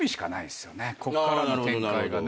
こっからの展開がね。